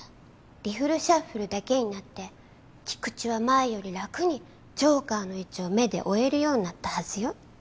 リフルシャッフルだけになって菊地は前より楽にジョーカーの位置を目で追えるようになったはずよ。